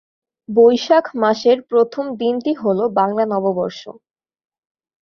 বৈশাখ মাসের প্রথম দিনটি হল বাংলা নববর্ষ।